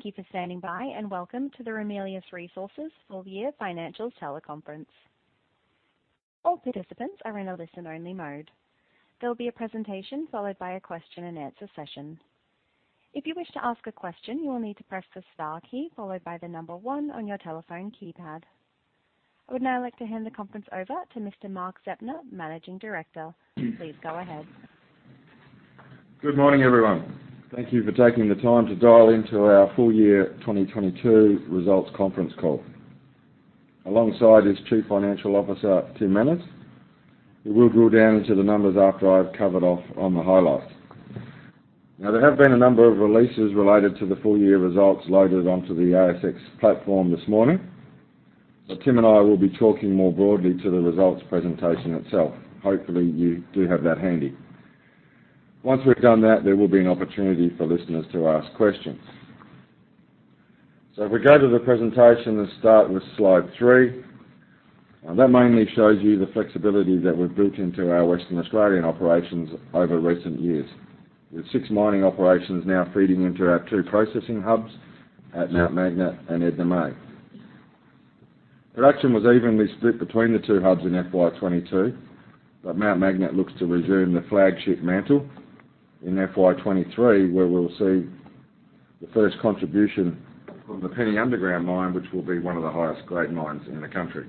Thank you for standing by, and welcome to the Ramelius Resources full year financials teleconference. All participants are in a listen-only mode. There will be a presentation followed by a question and answer session. If you wish to ask a question, you will need to press the star key followed by the number one on your telephone keypad. I would now like to hand the conference over to Mr. Mark Zeptner, Managing Director. Please go ahead. Good morning, everyone. Thank you for taking the time to dial into our full year 2022 results conference call. Alongside is Chief Financial Officer, Tim Manners, who will drill down into the numbers after I've covered off on the highlights. Now, there have been a number of releases related to the full year results loaded onto the ASX platform this morning. But Tim and I will be talking more broadly to the results presentation itself. Hopefully, you do have that handy. Once we've done that, there will be an opportunity for listeners to ask questions. If we go to the presentation and start with slide three, that mainly shows you the flexibility that we've built into our Western Australian operations over recent years. With six mining operations now feeding into our two processing hubs at Mount Magnet and Edna May. Production was evenly split between the two hubs in FY 2022, but Mount Magnet looks to resume the flagship mantle in FY 2023, where we'll see the first contribution from the Penny Underground mine, which will be one of the highest-grade mines in the country.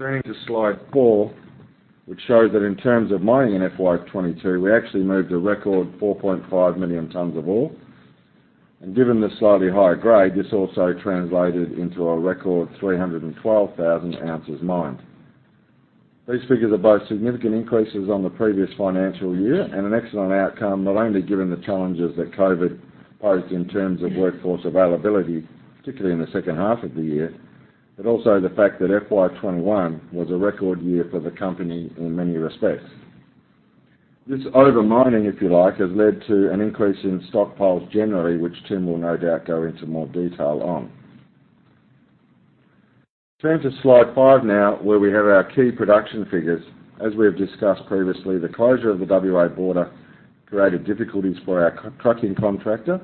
Turning to slide four, which shows that in terms of mining in FY 2022, we actually moved a record 4.5 million tons of ore. Given the slightly higher grade, this also translated into a record 312,000 ounces mined. These figures are both significant increases on the previous financial year and an excellent outcome, not only given the challenges that COVID posed in terms of workforce availability, particularly in the second half of the year, but also the fact that FY 2021 was a record year for the company in many respects. This over-mining, if you like, has led to an increase in stockpiles generally, which Tim will no doubt go into more detail on. Turning to slide five now, where we have our key production figures. As we have discussed previously, the closure of the WA border created difficulties for our ore-trucking contractor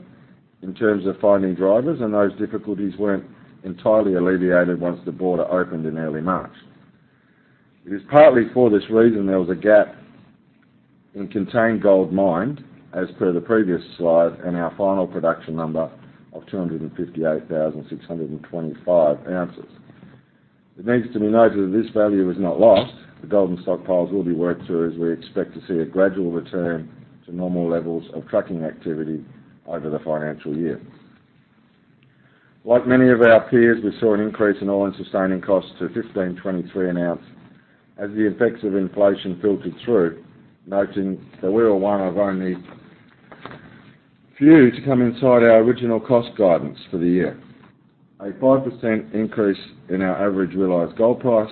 in terms of finding drivers, and those difficulties weren't entirely alleviated once the border opened in early March. It is partly for this reason there was a gap in contained gold mined as per the previous slide and our final production number of 258,625 ounces. It needs to be noted that this value is not lost. The gold in stockpiles will be worked to as we expect to see a gradual return to normal levels of trucking activity over the financial year. Like many of our peers, we saw an increase in all-in sustaining costs to 1,523 an ounce as the effects of inflation filtered through, noting that we were one of only few to come inside our original cost guidance for the year. A 5% increase in our average realized gold price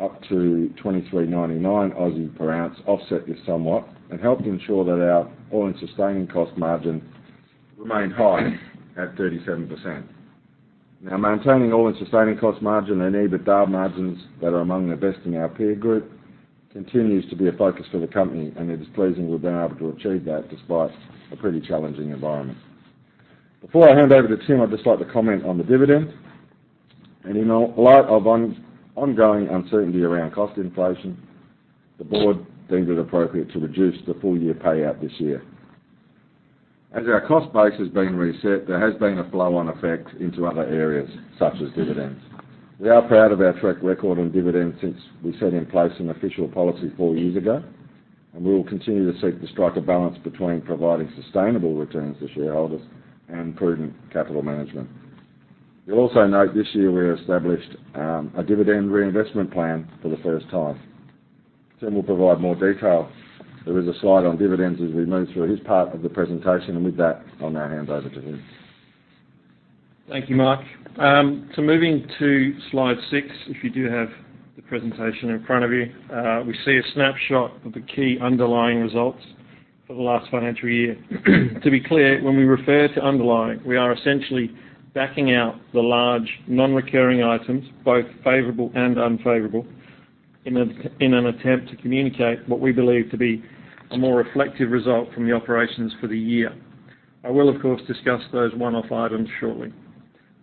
up to 2,399 Aussie per ounce offset this somewhat and helped ensure that our all-in sustaining cost margin remained high at 37%. Now, maintaining all-in sustaining cost margin and EBITDA margins that are among the best in our peer group continues to be a focus for the company, and it is pleasing we've been able to achieve that despite a pretty challenging environment. Before I hand over to Tim, I'd just like to comment on the dividend. In the light of ongoing uncertainty around cost inflation, the board deemed it appropriate to reduce the full-year payout this year. As our cost base has been reset, there has been a flow on effect into other areas such as dividends. We are proud of our track record on dividends since we set in place an official policy four years ago, and we will continue to seek to strike a balance between providing sustainable returns to shareholders and prudent capital management. You'll also note this year we established a dividend reinvestment plan for the first time. Tim will provide more detail. There is a slide on dividends as we move through his part of the presentation. With that, I'll now hand over to him. Thank you, Mark. Moving to slide six, if you do have the presentation in front of you, we see a snapshot of the key underlying results for the last financial year. To be clear, when we refer to underlying, we are essentially backing out the large non-recurring items, both favorable and unfavorable in an attempt to communicate what we believe to be a more reflective result from the operations for the year. I will, of course, discuss those one-off items shortly.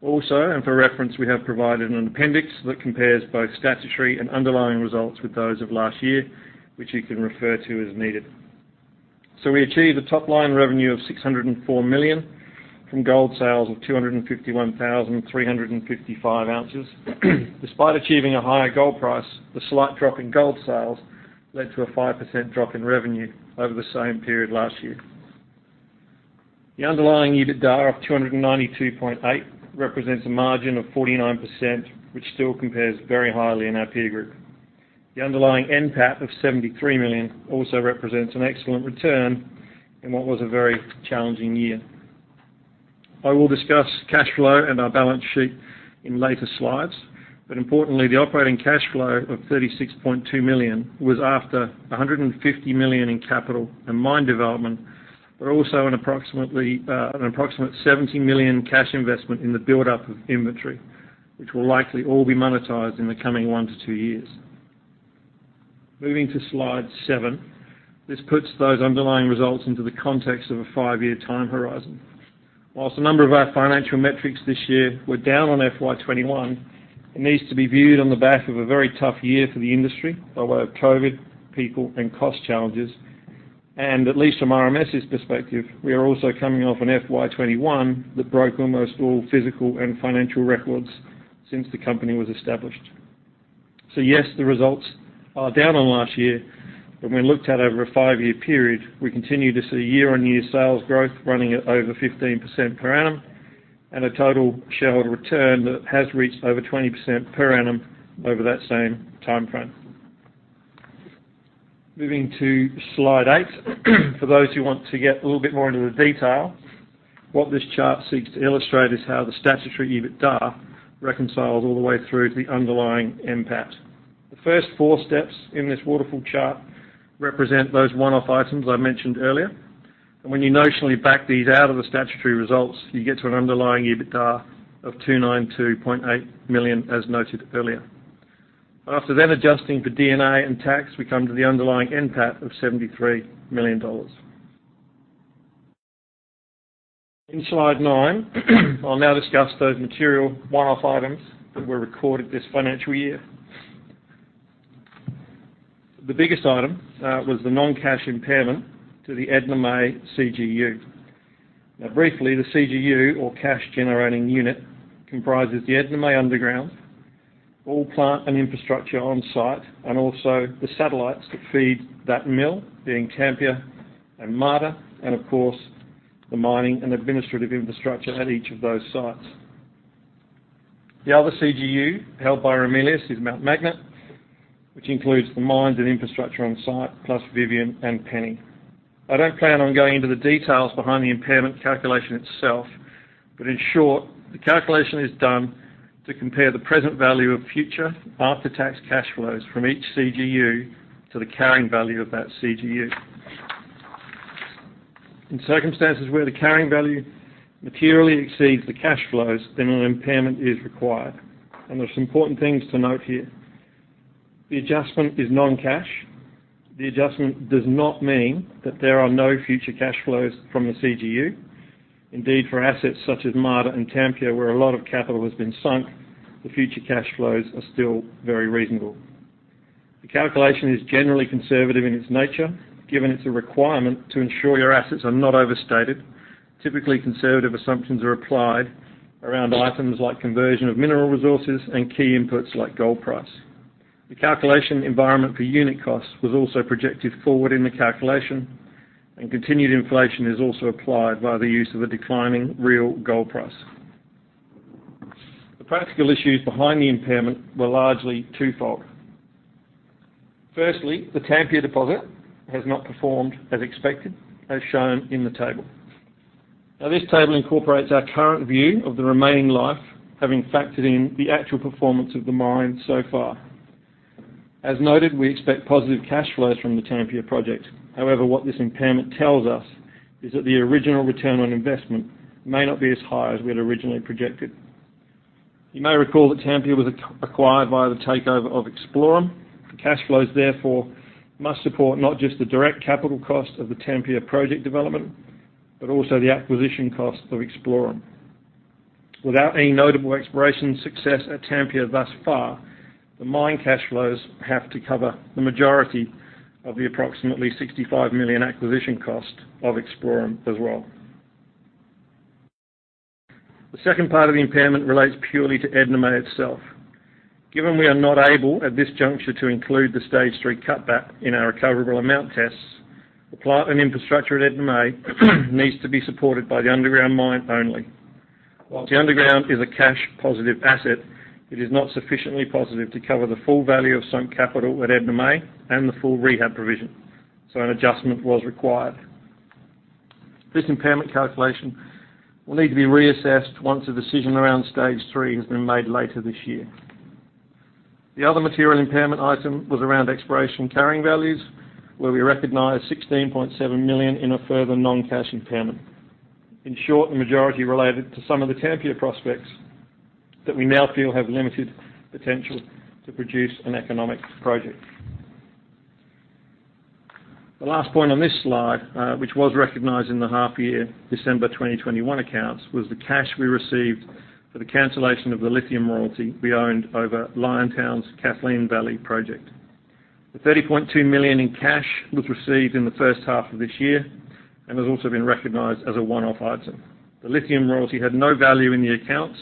For reference, we have provided an appendix that compares both statutory and underlying results with those of last year, which you can refer to as needed. We achieved a top-line revenue of 604 million from gold sales of 251,355 ounces. Despite achieving a higher gold price, the slight drop in gold sales led to a 5% drop in revenue over the same period last year. The underlying EBITDA of 292.8 million represents a margin of 49%, which still compares very highly in our peer group. The underlying NPAT of 73 million also represents an excellent return in what was a very challenging year. I will discuss cash flow and our balance sheet in later slides, but importantly, the operating cash flow of 36.2 million was after 150 million in capital and mine development, but also an approximate 70 million cash investment in the buildup of inventory, which will likely all be monetized in the coming one to two years. Moving to slide seven. This puts those underlying results into the context of a five-year time horizon. While a number of our financial metrics this year were down on FY 2021, it needs to be viewed on the back of a very tough year for the industry, by way of COVID, people, and cost challenges. At least from RMS's perspective, we are also coming off an FY 2021 that broke almost all physical and financial records since the company was established. Yes, the results are down on last year. When we looked at over a five-year period, we continue to see year-on-year sales growth running at over 15% per annum, and a total shareholder return that has reached over 20% per annum over that same timeframe. Moving to slide eight. For those who want to get a little bit more into the detail, what this chart seeks to illustrate is how the statutory EBITDA reconciles all the way through to the underlying NPAT. The first four steps in this waterfall chart represent those one-off items I mentioned earlier. When you notionally back these out of the statutory results, you get to an underlying EBITDA of 292.8 million as noted earlier. After then adjusting for D&A and tax, we come to the underlying NPAT of 73 million dollars. In slide nine, I'll now discuss those material one-off items that were recorded this financial year. The biggest item was the non-cash impairment to the Edna May CGU. Now, briefly, the CGU or cash generating unit comprises the Edna May underground, all plant and infrastructure on site, and also the satellites that feed that mill being Tampia and Marda, and of course, the mining and administrative infrastructure at each of those sites. The other CGU held by Ramelius is Mount Magnet, which includes the mines and infrastructure on site, plus Vivian and Penny. I don't plan on going into the details behind the impairment calculation itself, but in short, the calculation is done to compare the present value of future after-tax cash flows from each CGU to the carrying value of that CGU. In circumstances where the carrying value materially exceeds the cash flows, then an impairment is required. There's some important things to note here. The adjustment is non-cash. The adjustment does not mean that there are no future cash flows from the CGU. Indeed, for assets such as Marda and Tampia, where a lot of capital has been sunk, the future cash flows are still very reasonable. The calculation is generally conservative in its nature, given it's a requirement to ensure your assets are not overstated. Typically, conservative assumptions are applied around items like conversion of mineral resources and key inputs like gold price. The calculation environment for unit cost was also projected forward in the calculation, and continued inflation is also applied via the use of a declining real gold price. The practical issues behind the impairment were largely twofold. Firstly, the Tampia deposit has not performed as expected, as shown in the table. Now, this table incorporates our current view of the remaining life, having factored in the actual performance of the mine so far. As noted, we expect positive cash flows from the Tampia project. However, what this impairment tells us is that the original return on investment may not be as high as we had originally projected. You may recall that Tampia was acquired via the takeover of Explaurum. The cash flows, therefore, must support not just the direct capital cost of the Tampia project development, but also the acquisition cost of Explaurum. Without any notable exploration success at Tampia thus far, the mine cash flows have to cover the majority of the approximately 65 million acquisition cost of Explaurum as well. The second part of the impairment relates purely to Edna May itself. Given we are not able at this juncture to include the stage three cutback in our recoverable amount tests, the plant and infrastructure at Edna May needs to be supported by the underground mine only. While the underground is a cash positive asset, it is not sufficiently positive to cover the full value of sunk capital at Edna May and the full rehab provision. An adjustment was required. This impairment calculation will need to be reassessed once a decision around stage three has been made later this year. The other material impairment item was around exploration carrying values, where we recognized 16.7 million in a further non-cash impairment. In short, the majority related to some of the Tampia prospects that we now feel have limited potential to produce an economic project. The last point on this slide, which was recognized in the half year, December 2021 accounts, was the cash we received for the cancellation of the lithium royalty we owned over Liontown's Kathleen Valley project. The AUD 30.2 million in cash was received in the first half of this year and has also been recognized as a one-off item. The lithium royalty had no value in the accounts,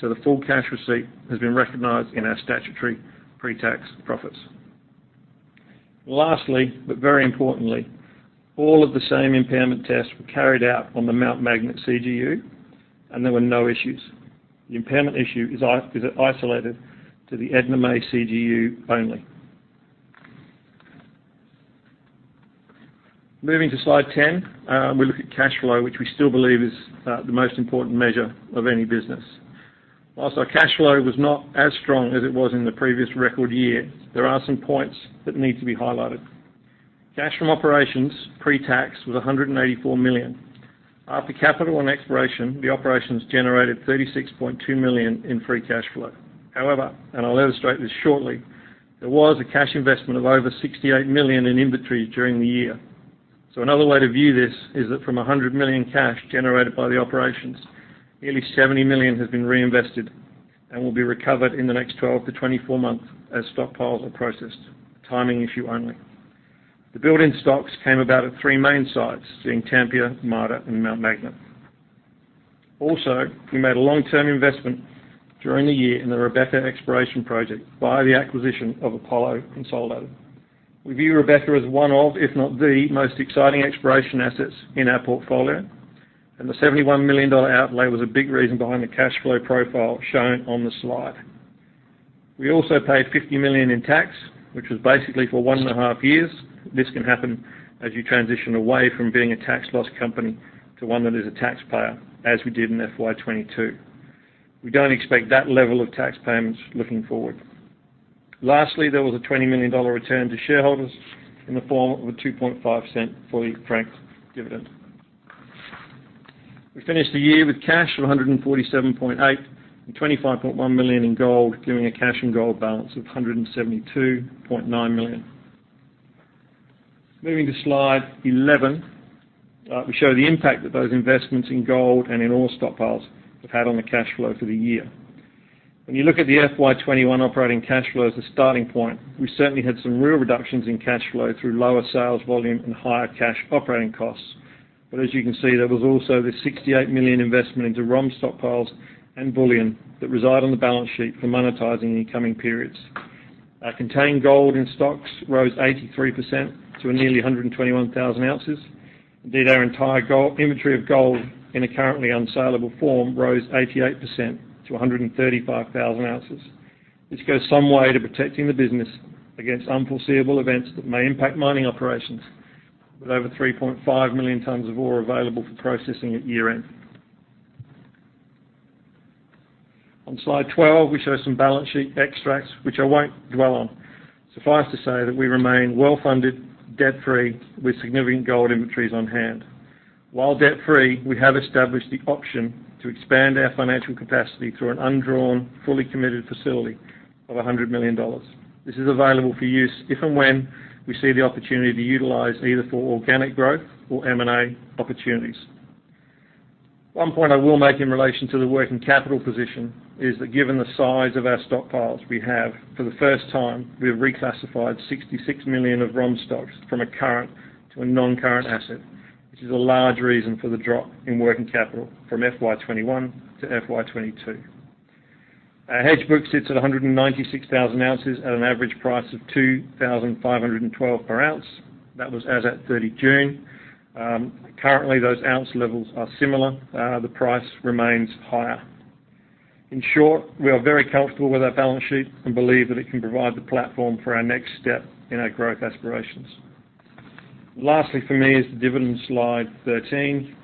so the full cash receipt has been recognized in our statutory pretax profits. Lastly, but very importantly, all of the same impairment tests were carried out on the Mount Magnet CGU, and there were no issues. The impairment issue is isolated to the Edna May CGU only. Moving to slide 10, we look at cash flow, which we still believe is the most important measure of any business. While our cash flow was not as strong as it was in the previous record year, there are some points that need to be highlighted. Cash from operations pre-tax was 184 million. After capital and exploration, the operations generated 36.2 million in free cash flow. However, and I'll illustrate this shortly, there was a cash investment of over 68 million in inventory during the year. Another way to view this is that from 100 million cash generated by the operations, nearly 70 million has been reinvested and will be recovered in the next 12-24 months as stockpiles are processed. Timing issue only. The build-up in stocks came about at three main sites, being Tampia, Marda, and Mount Magnet. We made a long-term investment during the year in the Rebecca Exploration Project via the acquisition of Apollo Consolidated. We view Rebecca as one of, if not the, most exciting exploration assets in our portfolio, and the 71 million dollar outlay was a big reason behind the cash flow profile shown on the slide. We also paid 50 million in tax, which was basically for one and a half years. This can happen as you transition away from being a tax loss company to one that is a taxpayer, as we did in FY 2022. We don't expect that level of tax payments looking forward. Lastly, there was an 20 million dollar return to shareholders in the form of a 0.025 fully franked dividend. We finished the year with cash of 147.8 million and 25.1 million in gold, giving a cash and gold balance of 172.9 million. Moving to slide 11, we show the impact that those investments in gold and in all stockpiles have had on the cash flow for the year. When you look at the FY 2021 operating cash flow as a starting point, we certainly had some real reductions in cash flow through lower sales volume and higher cash operating costs. As you can see, there was also the 68 million investment into ROM stockpiles and bullion that reside on the balance sheet for monetizing in the coming periods. Our contained gold in stocks rose 83% to nearly 121,000 ounces. Indeed, our entire gold inventory of gold in a currently unsalable form rose 88% to 135,000 ounces. This goes some way to protecting the business against unforeseeable events that may impact mining operations with over 3.5 million tons of ore available for processing at year-end. On slide 12, we show some balance sheet extracts, which I won't dwell on. Suffice to say that we remain well-funded, debt-free, with significant gold inventories on hand. While debt-free, we have established the option to expand our financial capacity through an undrawn, fully committed facility of 100 million dollars. This is available for use if and when we see the opportunity to utilize either for organic growth or M&A opportunities. One point I will make in relation to the working capital position is that given the size of our stockpiles we have, for the first time, we've reclassified 66 million of ROM stocks from a current to a non-current asset, which is a large reason for the drop in working capital from FY 2021 to FY 2022. Our hedge book sits at 196,000 ounces at an average price of 2,512 per ounce. That was as at 30 June. Currently, those ounce levels are similar. The price remains higher. In short, we are very comfortable with our balance sheet and believe that it can provide the platform for our next step in our growth aspirations. Lastly for me is the dividend slide 13.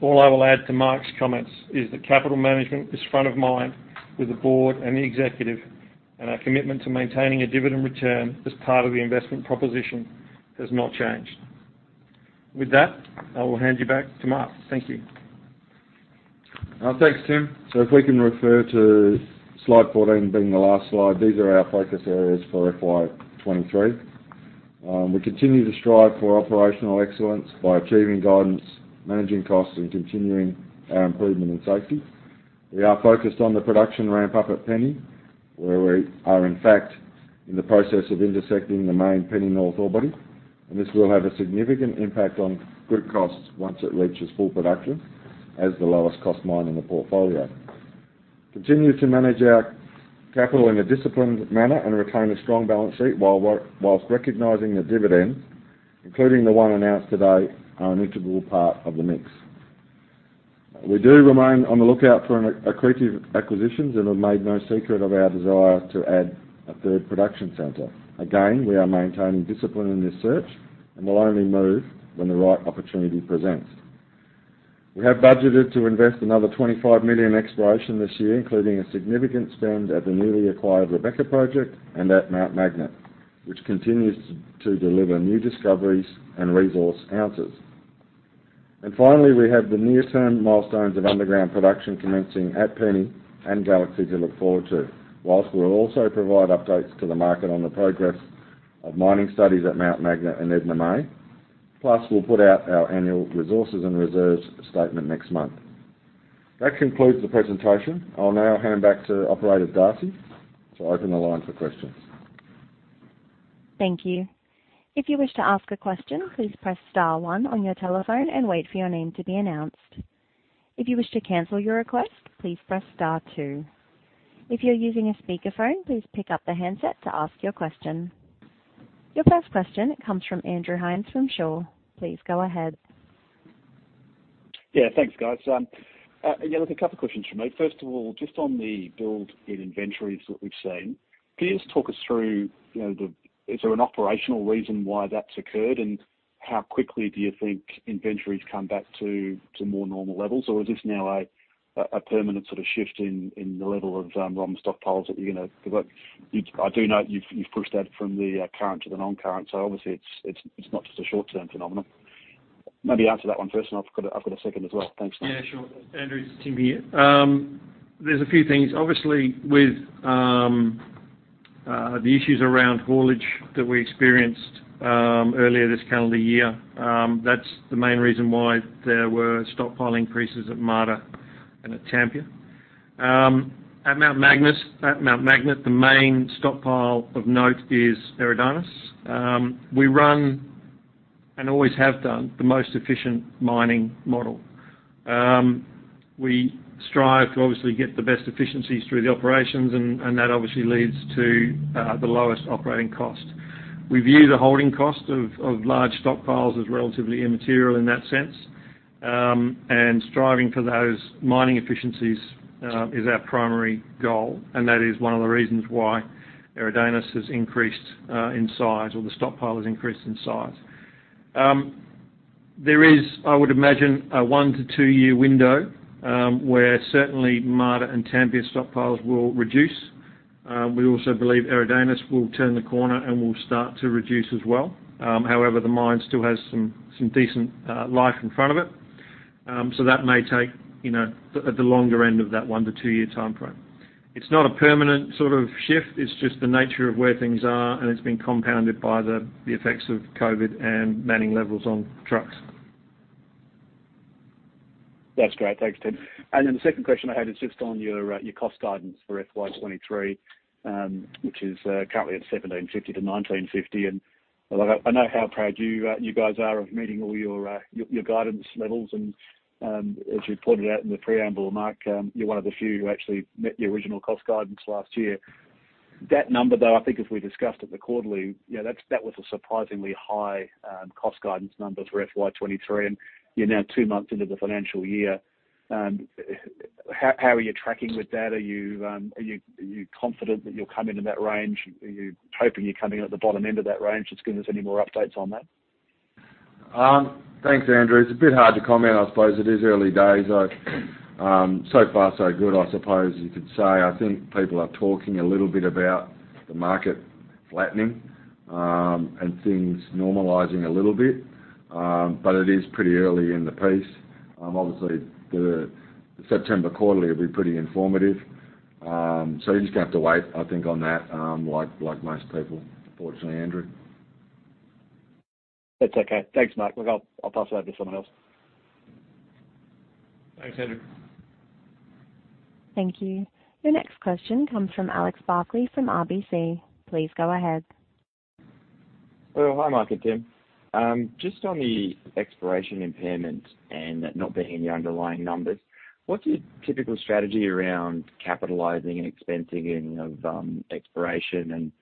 All I will add to Mark's comments is that capital management is front of mind with the board and the executive, and our commitment to maintaining a dividend return as part of the investment proposition has not changed. With that, I will hand you back to Mark. Thank you. Thanks, Tim. If we can refer to slide 14 being the last slide. These are our focus areas for FY 2023. We continue to strive for operational excellence by achieving guidance, managing costs, and continuing our improvement in safety. We are focused on the production ramp up at Penny, where we are in fact in the process of intersecting the main Penny North ore body, and this will have a significant impact on group costs once it reaches full production as the lowest cost mine in the portfolio. Continue to manage our capital in a disciplined manner and retain a strong balance sheet whilst recognizing the dividends, including the one announced today, are an integral part of the mix. We do remain on the lookout for an accretive acquisitions and have made no secret of our desire to add a third production center. Again, we are maintaining discipline in this search and will only move when the right opportunity presents. We have budgeted to invest another 25 million exploration this year, including a significant spend at the newly acquired Rebecca project and at Mount Magnet, which continues to deliver new discoveries and resource ounces. Finally, we have the near-term milestones of underground production commencing at Penny and Galaxy to look forward to. While we'll also provide updates to the market on the progress of mining studies at Mount Magnet and Edna May, plus we'll put out our annual resources and reserves statement next month. That concludes the presentation. I'll now hand back to operator Darcy to open the line for questions. Thank you. If you wish to ask a question, please press star one on your telephone and wait for your name to be announced. If you wish to cancel your request, please press star two. If you're using a speakerphone, please pick up the handset to ask your question. Your first question comes from Andrew Hines from Shaw. Please go ahead. Yeah, thanks, guys. Yeah, look, a couple questions from me. First of all, just on the build in inventories that we've seen, can you just talk us through, you know. Is there an operational reason why that's occurred? And how quickly do you think inventories come back to more normal levels? Or is this now a permanent sort of shift in the level of raw materials stockpiles that you're gonna give up? I do note you've pushed that from the current to the non-current, so obviously it's not just a short-term phenomenon. Maybe answer that one first, and I've got a second as well. Thanks, Mark. Yeah, sure. Andrew, it's Tim here. There's a few things. Obviously, with the issues around haulage that we experienced earlier this calendar year, that's the main reason why there were stockpile increases at Marda and at Tampia. At Mount Magnet, the main stockpile of note is Eridanus. We run, and always have done, the most efficient mining model. We strive to obviously get the best efficiencies through the operations, and that obviously leads to the lowest operating cost. We view the holding cost of large stockpiles as relatively immaterial in that sense, and striving for those mining efficiencies is our primary goal, and that is one of the reasons why Eridanus has increased in size, or the stockpile has increased in size. There is, I would imagine, a one-two-year window where certainly Marda and Tampia stockpiles will reduce. We also believe Eridanus will turn the corner and will start to reduce as well. However, the mine still has some decent life in front of it, so that may take, you know, at the longer end of that one-two-year timeframe. It's not a permanent sort of shift, it's just the nature of where things are, and it's been compounded by the effects of COVID and manning levels on trucks. That's great. Thanks, Tim. The second question I had is just on your cost guidance for FY 2023, which is currently at 1,750-1,950. Look, I know how proud you guys are of meeting all your guidance levels and as you pointed out in the preamble, Mark, you're one of the few who actually met the original cost guidance last year. That number, though, I think as we discussed at the quarterly, you know, that was a surprisingly high cost guidance number for FY 2023, and you're now two months into the financial year. How are you tracking with that? Are you confident that you'll come into that range? Are you hoping you're coming in at the bottom end of that range? Just give us any more updates on that? Thanks, Andrew. It's a bit hard to comment, I suppose. It is early days. So far so good, I suppose you could say. I think people are talking a little bit about the market flattening, and things normalizing a little bit. It is pretty early in the piece. Obviously the September quarterly will be pretty informative. You're just gonna have to wait, I think, on that, like most people, unfortunately, Andrew. That's okay. Thanks, Mark. Look, I'll pass you over to someone else. Thanks, Andrew. Thank you. Your next question comes from Alex Barkley from RBC. Please go ahead. Well, hi, Mark and Tim. Just on the exploration impairment and not being in your underlying numbers, what's your typical strategy around capitalizing and expensing of exploration, and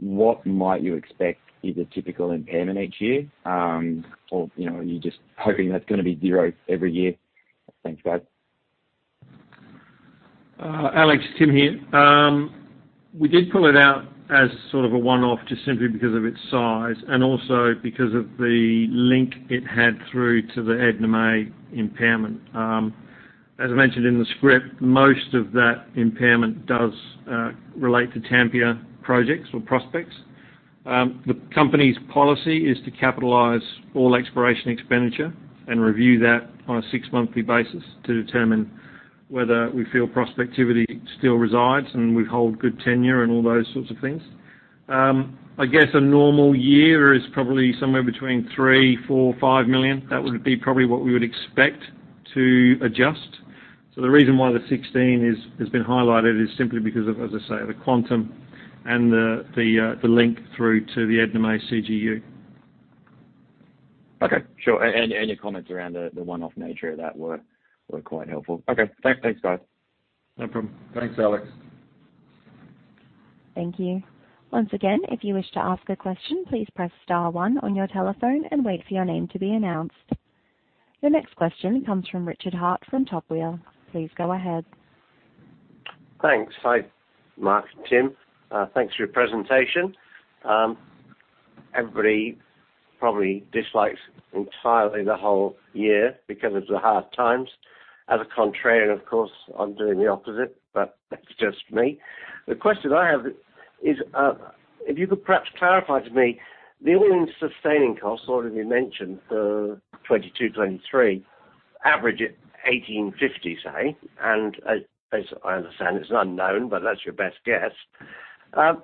what might you expect is a typical impairment each year? You know, are you just hoping that's gonna be zero every year? Thanks, guys. Alex, Tim here. We did pull it out as sort of a one-off just simply because of its size and also because of the link it had through to the Edna May impairment. As I mentioned in the script, most of that impairment does relate to Tampia projects or prospects. The company's policy is to capitalize all exploration expenditure and review that on a six-monthly basis to determine whether we feel prospectivity still resides and we hold good tenure and all those sorts of things. I guess a normal year is probably somewhere between 3 million, 4 million, 5 million. That would be probably what we would expect to adjust. The reason why the 16 has been highlighted is simply because of, as I say, the quantum and the link through to the Edna May CGU. Okay. Sure. Your comments around the one-off nature of that were quite helpful. Okay. Thanks, guys. No problem. Thanks, Alex. Thank you. Once again, if you wish to ask a question, please press star one on your telephone and wait for your name to be announced. Your next question comes from Richard Hart from Bell Potter. Please go ahead. Thanks. Hi, Mark and Tim. Thanks for your presentation. Everybody probably dislikes entirely the whole year because of the hard times. As a contrarian, of course, I'm doing the opposite, but that's just me. The question I have is, if you could perhaps clarify to me the all-in sustaining cost already mentioned for 2022, 2023, average at 1,850, say, and as I understand, it's unknown, but that's your best guess. I'm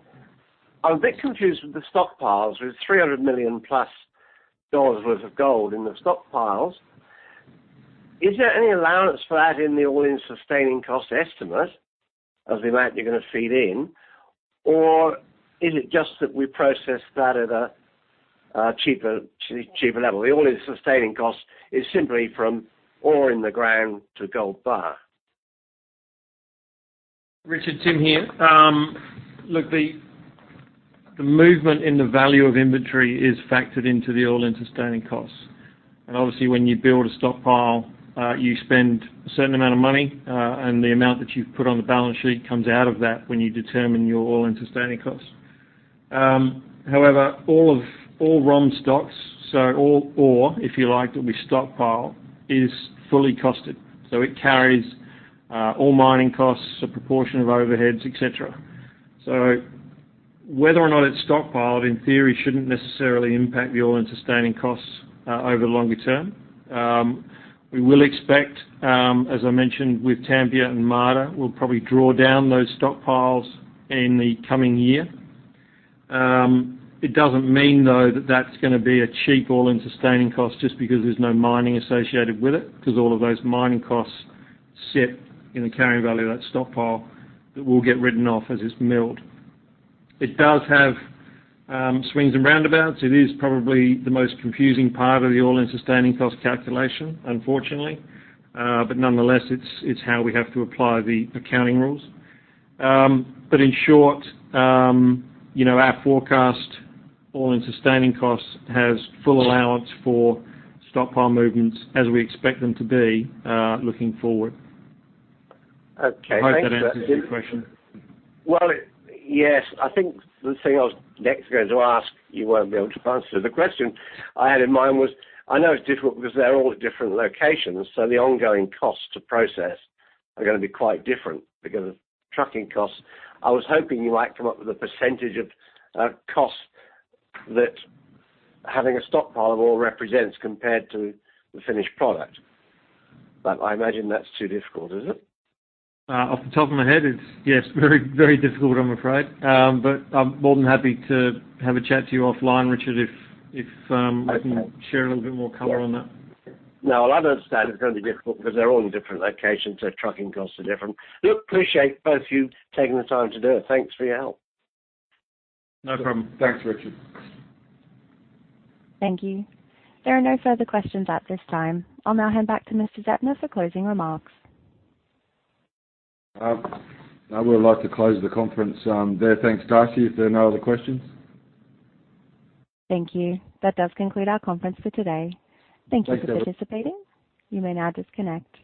a bit confused with the stockpiles. With 300+ million dollars worth of gold in the stockpiles, is there any allowance for that in the all-in sustaining cost estimate as the amount you're gonna feed in, or is it just that we process that at a cheaper level? The all-in sustaining cost is simply from ore in the ground to gold bar. Richard, Tim here. The movement in the value of inventory is factored into the all-in sustaining costs. Obviously when you build a stockpile, you spend a certain amount of money, and the amount that you've put on the balance sheet comes out of that when you determine your all-in sustaining costs. However, all ROM stocks, so all ore, if you like, that we stockpile is fully costed. It carries all mining costs, a proportion of overheads, et cetera. Whether or not it's stockpiled, in theory, shouldn't necessarily impact the all-in sustaining costs over the longer term. We will expect, as I mentioned, with Tampia and Marda, we'll probably draw down those stockpiles in the coming year. It doesn't mean, though, that that's gonna be a cheap all-in sustaining cost just because there's no mining associated with it, because all of those mining costs sit in the carrying value of that stockpile that will get written off as it's milled. It does have swings and roundabouts. It is probably the most confusing part of the all-in sustaining cost calculation, unfortunately. Nonetheless, it's how we have to apply the accounting rules. In short, you know, our forecast all-in sustaining costs has full allowance for stockpile movements as we expect them to be looking forward. Okay. I hope that answers your question. Well, yes. I think the thing I was next going to ask, you won't be able to answer. The question I had in mind was, I know it's difficult because they're all at different locations, so the ongoing costs to process are gonna be quite different because of trucking costs. I was hoping you might come up with a percentage of cost that having a stockpile of ore represents compared to the finished product. But I imagine that's too difficult, is it? Off the top of my head, it's yes very difficult, I'm afraid. I'm more than happy to have a chat to you offline, Richard, if I can share a little bit more color on that. Yes. No, I understand it's gonna be difficult because they're all in different locations, so trucking costs are different. Look, appreciate both you taking the time to do it. Thanks for your help. No problem. Thanks, Richard. Thank you. There are no further questions at this time. I'll now hand back to Mr. Zeptner for closing remarks. I would like to close the conference, there. Thanks, Darcy, if there are no other questions. Thank you. That does conclude our conference for today. Thanks, everyone. Thank you for participating. You may now disconnect.